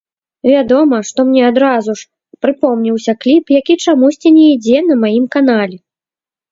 Вядома, што мне адразу ж прыпомніўся кліп, які чамусьці не ідзе на маім канале.